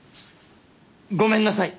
ごめんなさい！